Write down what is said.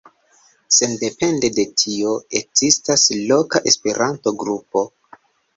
Sendepende de tio, ekzistas loka Esperanto-grupo.